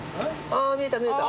あ見えた見えた。